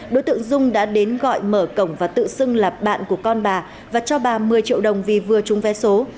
đối tượng dung đã đến gọi mở cổng và tự xưng là bạn của con bà và cho bà một mươi triệu đồng vì vừa chung vé số